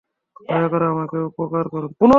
দয়া করে আমাকে উপকার করুন।